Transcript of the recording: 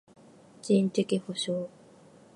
人的補償